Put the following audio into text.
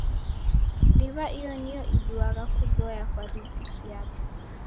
Ndiw'a iyo niyo iduagha kuzoya kwa riziki yape.